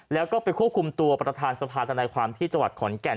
แล้วก็ไปควบคุมตัวประธานสภาธนาความที่จังหวัดขอนแก่น